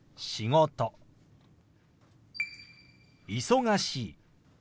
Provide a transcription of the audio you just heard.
「忙しい」。